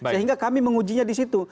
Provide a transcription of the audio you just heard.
sehingga kami mengujinya di situ